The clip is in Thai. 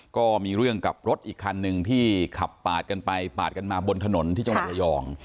ก็มีเรื่องกับรถอีกคันหนึ่งที่ขับปาดกันไปปาดกันมาบนถนนที่จังหวัดระยอง